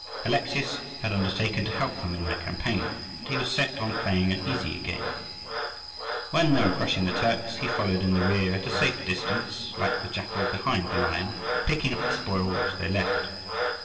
Alexius had undertaken to help them in their campaign, but he was set on playing an easier game. When they were crushing the Turks he followed in their rear at a safe distance, like the jackal behind the lion, picking up the spoil which they left.